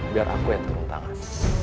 biar aku yang turun tangan